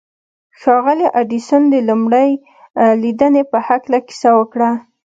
ښاغلي ايډېسن د لومړۍ ليدنې په هکله کيسه وکړه.